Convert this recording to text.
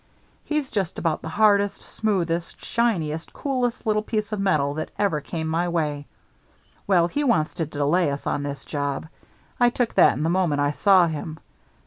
He's just about the hardest, smoothest, shiniest, coolest little piece of metal that ever came my way. Well, he wants to delay us on this job. I took that in the moment I saw him.